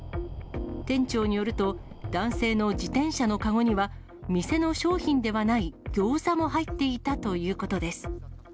店長によると、男性の自転車の籠には、店の商品ではないギョーザも入っていたということです。